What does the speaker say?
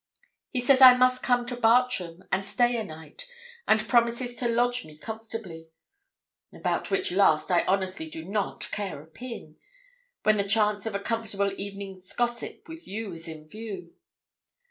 He says I must come to Bartram, and stay a night, and promises to lodge me comfortably; about which last I honestly do not care a pin, when the chance of a comfortable evening's gossip with you is in view.